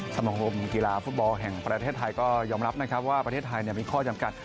สมคมกีฬาฟุตบอลแห่งประเทศไทยก็ยอมรับนะครับว่าประเทศไทยมีข้อจำกัด